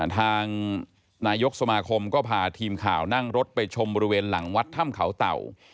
ทางนายกสมาคมก็พาทีมข่าวนั่งรถไปชมบริเวณหลังวัดถ้ำเขาเต่า